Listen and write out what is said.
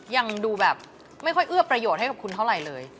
ยังดูแบบไม่ค่อยเอื้อประโยชน์ให้กับคุณเท่าไหร่เลย